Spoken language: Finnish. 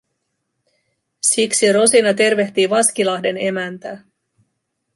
Siksi Rosina tervehtii Vaskilahden emäntää.